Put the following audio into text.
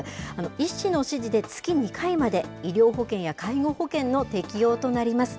医師の指示で月２回まで、医療保険や介護保険の適用となります。